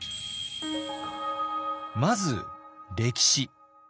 まず歴史。